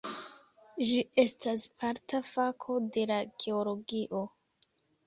Ĝi estas parta fako de la geologio.